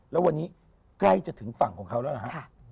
แล้ววันนี้ใกล้จะถึงฝั่งของเขาแล้วนะฮะ